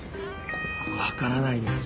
わからないです。